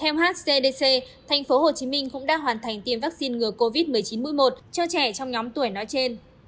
theo hcdc tp hcm cũng đã hoàn thành tiêm vaccine ngừa covid một mươi chín mũi một cho trẻ trong nhóm tuổi nói trên